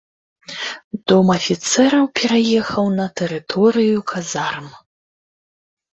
Дом афіцэраў пераехаў на тэрыторыю казарм.